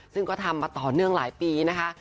ซึ่งก็ทำมาต่อเนื่องหลายปีนะคะ